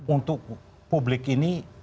untuk publik ini